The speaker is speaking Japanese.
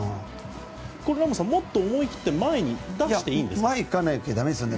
もっと思い切って前に出していいんですか？